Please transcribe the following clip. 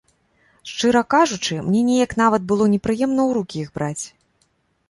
Шчыра кажучы, мне неяк нават было непрыемна ў рукі іх браць.